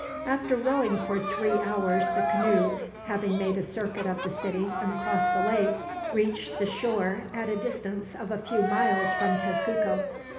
After rowing for three hours the canoe, having made a circuit of the city and crossed the lake, reached the shore at a distance of a few miles from Tezcuco.